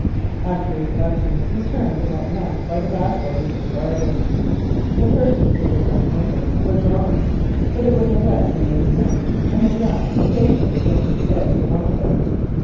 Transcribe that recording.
After reflection he turned and went round by the back way into the garden. The curtains of the French windows were drawn, but it was a wet and windy night, and the draught occasionally lifted the edge of one of them.